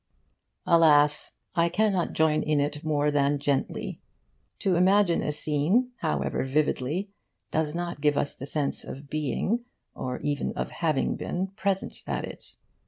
Alas, I cannot join in it more than gently. To imagine a scene, however vividly, does not give us the sense of being, or even of having been, present at it.